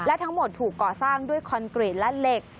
และทั้งหมดถูกก่อสร้างด้วยคอนกรีตและเหล็ก